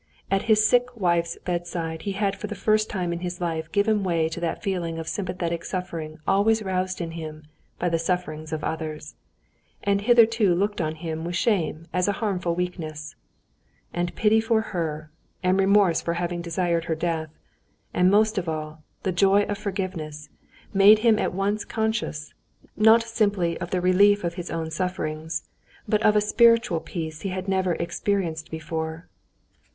At his sick wife's bedside he had for the first time in his life given way to that feeling of sympathetic suffering always roused in him by the sufferings of others, and hitherto looked on by him with shame as a harmful weakness. And pity for her, and remorse for having desired her death, and most of all, the joy of forgiveness, made him at once conscious, not simply of the relief of his own sufferings, but of a spiritual peace he had never experienced before.